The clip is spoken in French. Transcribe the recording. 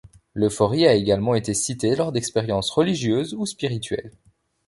L'euphorie a également été citée lors d'expériences religieuses ou spirituelles.